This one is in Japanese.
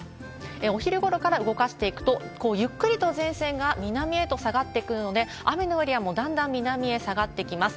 お昼ごろから動かしていくと、ゆっくりと前線が南へと下がってくるので、雨のエリアもだんだん南へ下がってきます。